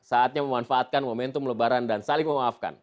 saatnya memanfaatkan momentum lebaran dan saling memaafkan